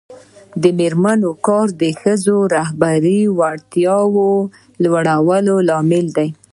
د میرمنو کار د ښځو رهبري وړتیا لوړولو لامل دی.